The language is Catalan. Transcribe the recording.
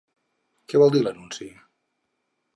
Què vol dir l’anunci?